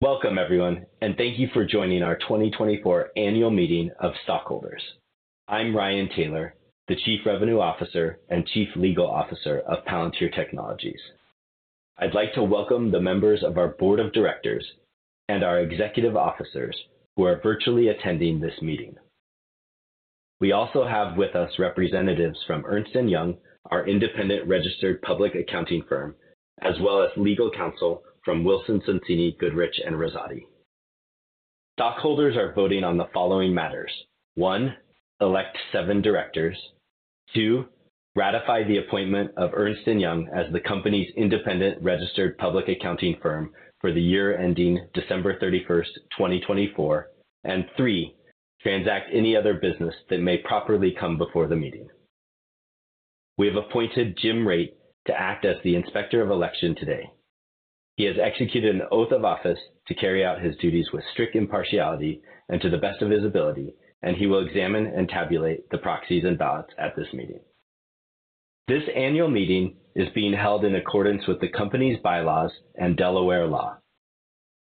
Welcome, everyone, and thank you for joining our 2024 Annual Meeting of Stockholders. I'm Ryan Taylor, the Chief Revenue Officer and Chief Legal Officer of Palantir Technologies. I'd like to welcome the members of our Board of Directors and our executive officers who are virtually attending this meeting. We also have with us representatives from Ernst & Young, our independent registered public accounting firm, as well as legal counsel from Wilson Sonsini Goodrich & Rosati. Stockholders are voting on the following matters: 1, elect 7 directors. 2, ratify the appointment of Ernst & Young as the company's independent registered public accounting firm for the year ending December 31, 2024. And 3, transact any other business that may properly come before the meeting. We have appointed Jim Raitt to act as the Inspector of Election today. He has executed an oath of office to carry out his duties with strict impartiality and to the best of his ability, and he will examine and tabulate the proxies and ballots at this meeting. This annual meeting is being held in accordance with the company's bylaws and Delaware law.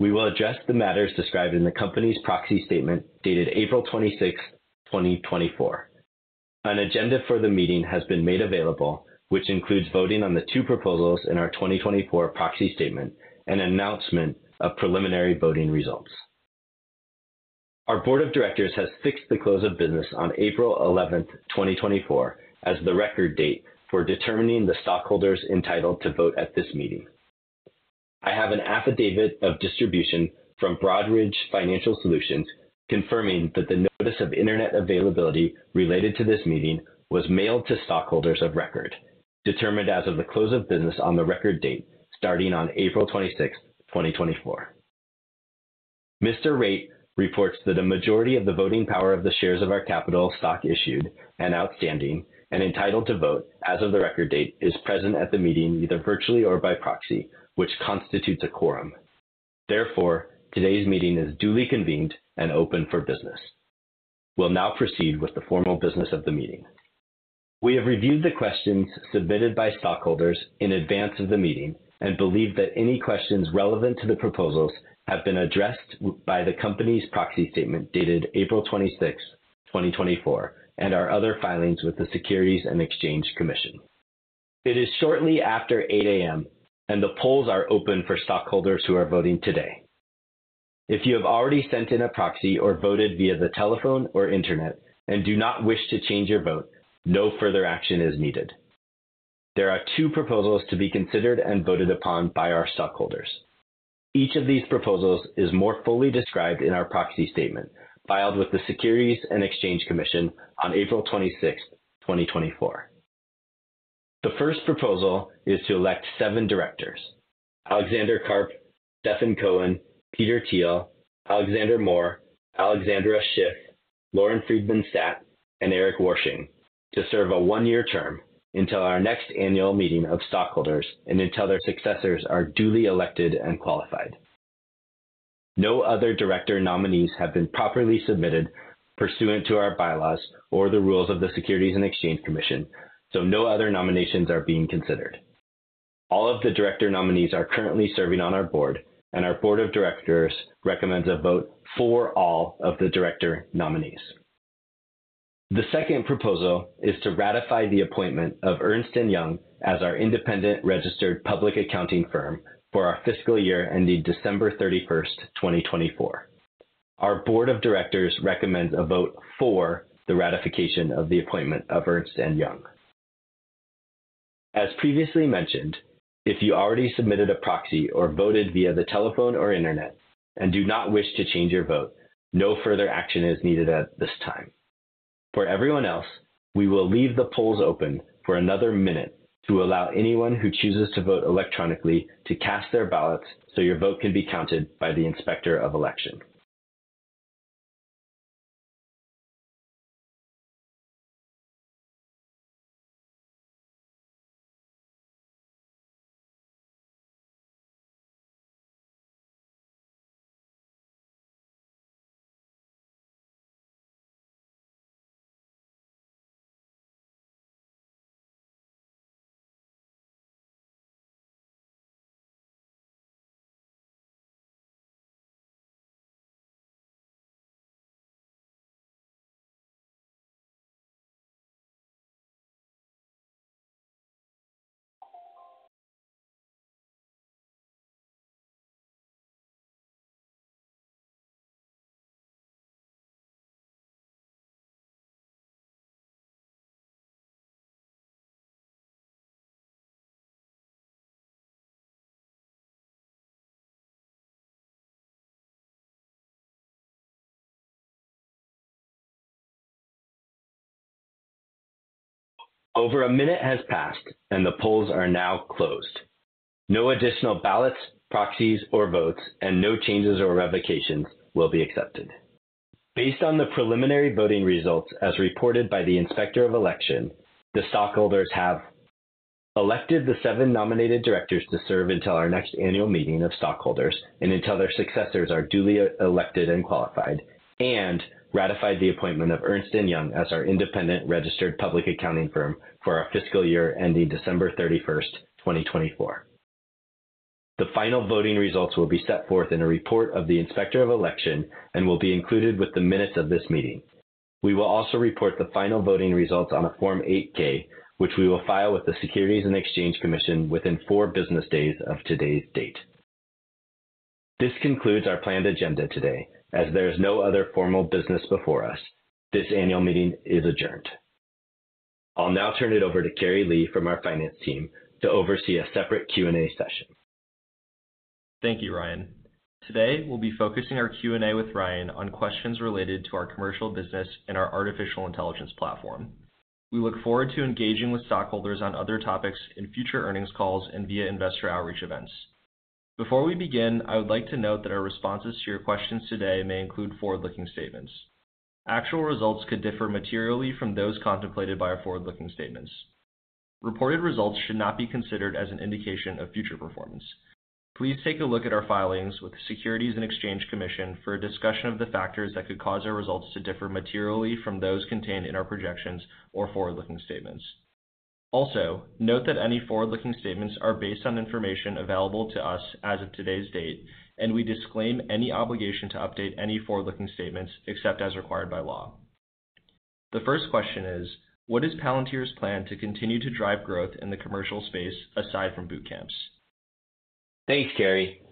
We will address the matters described in the company's proxy statement, dated April 26th, 2024. An agenda for the meeting has been made available, which includes voting on the two proposals in our 2024 proxy statement and announcement of preliminary voting results. Our board of directors has fixed the close of business on April 11th, 2024, as the record date for determining the stockholders entitled to vote at this meeting. I have an affidavit of distribution from Broadridge Financial Solutions, confirming that the notice of internet availability related to this meeting was mailed to stockholders of record, determined as of the close of business on the record date, starting on April 26, 2024. Mr. Raitt reports that a majority of the voting power of the shares of our capital stock issued and outstanding and entitled to vote as of the record date, is present at the meeting, either virtually or by proxy, which constitutes a quorum. Therefore, today's meeting is duly convened and open for business. We'll now proceed with the formal business of the meeting. We have reviewed the questions submitted by stockholders in advance of the meeting and believe that any questions relevant to the proposals have been addressed by the company's proxy statement, dated April 26th, 2024, and our other filings with the Securities and Exchange Commission. It is shortly after 8 A.M., and the polls are open for stockholders who are voting today. If you have already sent in a proxy or voted via the telephone or internet and do not wish to change your vote, no further action is needed. There are two proposals to be considered and voted upon by our stockholders. Each of these proposals is more fully described in our proxy statement, filed with the Securities and Exchange Commission on April 26th, 2024. The first proposal is to elect seven directors, Alexander Karp, Stephen Cohen, Peter Thiel, Alexander Moore, Alexandra Schiff, Lauren Friedman Stat, and Eric Woersching, to serve a one-year term until our next annual meeting of stockholders and until their successors are duly elected and qualified. No other director nominees have been properly submitted pursuant to our bylaws or the rules of the Securities and Exchange Commission, so no other nominations are being considered. All of the director nominees are currently serving on our board, and our board of directors recommends a vote for all of the director nominees. The second proposal is to ratify the appointment of Ernst & Young as our independent registered public accounting firm for our fiscal year ending December 31, 2024. Our board of directors recommends a vote for the ratification of the appointment of Ernst & Young. As previously mentioned, if you already submitted a proxy or voted via the telephone or internet and do not wish to change your vote, no further action is needed at this time. For everyone else, we will leave the polls open for another minute to allow anyone who chooses to vote electronically to cast their ballots so your vote can be counted by the Inspector of Election. Over a minute has passed, and the polls are now closed. No additional ballots, proxies, or votes and no changes or revocations will be accepted. Based on the preliminary voting results as reported by the Inspector of Election, the stockholders have elected the seven nominated directors to serve until our next annual meeting of stockholders and until their successors are duly elected and qualified, and ratified the appointment of Ernst & Young as our independent registered public accounting firm for our fiscal year ending December 31, 2024. The final voting results will be set forth in a report of the Inspector of Election and will be included with the minutes of this meeting. We will also report the final voting results on a Form 8-K, which we will file with the Securities and Exchange Commission within four business days of today's date. This concludes our planned agenda today, as there is no other formal business before us. This annual meeting is adjourned. I'll now turn it over to Carrie Li from our finance team to oversee a separate Q&A session. Thank you, Ryan. Today, we'll be focusing our Q&A with Ryan on questions related to our commercial business and our Artificial Intelligence Platform. We look forward to engaging with stockholders on other topics in future earnings calls and via investor outreach events. Before we begin, I would like to note that our responses to your questions today may include forward-looking statements. Actual results could differ materially from those contemplated by our forward-looking statements. Reported results should not be considered as an indication of future performance. Please take a look at our filings with the Securities and Exchange Commission for a discussion of the factors that could cause our results to differ materially from those contained in our projections or forward-looking statements. Also, note that any forward-looking statements are based on information available to us as of today's date, and we disclaim any obligation to update any forward-looking statements except as required by law. The first question is, "What is Palantir's plan to continue to drive growth in the commercial space aside from Bootcamps? Thanks, Carrie.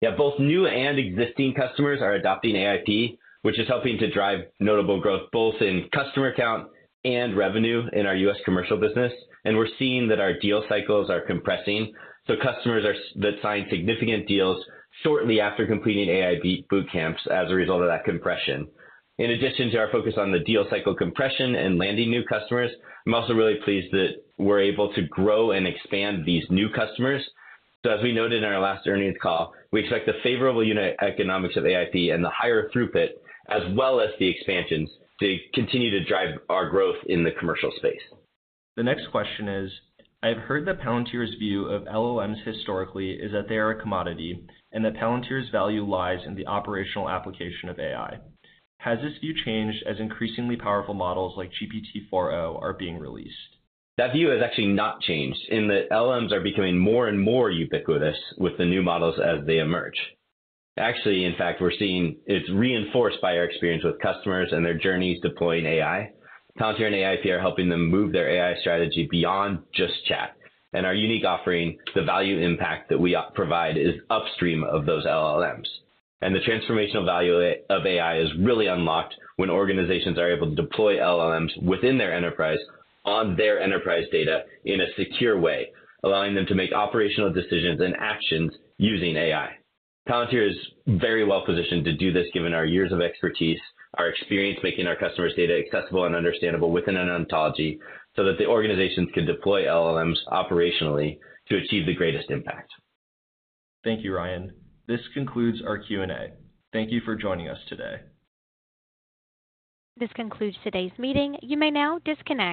Yeah, both new and existing customers are adopting AIP, which is helping to drive notable growth, both in customer count and revenue in our U.S. commercial business, and we're seeing that our deal cycles are compressing. So customers that sign significant deals shortly after completing AIP Bootcamps as a result of that compression. In addition to our focus on the deal cycle compression and landing new customers, I'm also really pleased that we're able to grow and expand these new customers. So as we noted in our last earnings call, we expect the favorable unit economics of AIP and the higher throughput, as well as the expansions, to continue to drive our growth in the commercial space. The next question is, "I've heard that Palantir's view of LLMs historically is that they are a commodity and that Palantir's value lies in the operational application of AI. Has this view changed as increasingly powerful models like GPT-4o are being released? That view has actually not changed in that LLMs are becoming more and more ubiquitous with the new models as they emerge. Actually, in fact, we're seeing it's reinforced by our experience with customers and their journeys deploying AI. Palantir and AIP are helping them move their AI strategy beyond just chat. And our unique offering, the value impact that we provide, is upstream of those LLMs. And the transformational value of AI is really unlocked when organizations are able to deploy LLMs within their enterprise on their enterprise data in a secure way, allowing them to make operational decisions and actions using AI. Palantir is very well positioned to do this, given our years of expertise, our experience making our customers' data accessible and understandable within an ontology, so that the organizations can deploy LLMs operationally to achieve the greatest impact. Thank you, Ryan. This concludes our Q&A. Thank you for joining us today. This concludes today's meeting. You may now disconnect.